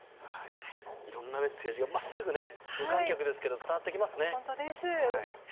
いろんなメッセージが真っすぐ、無観客ですけど伝わってきますね。